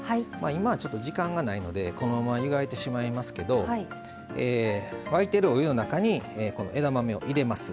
今はちょっと時間がないのでこのまま湯がいてしまいますけど沸いてるお湯の中に枝豆を入れます。